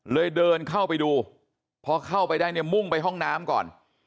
เดินเข้าไปดูพอเข้าไปได้เนี่ยมุ่งไปห้องน้ำก่อน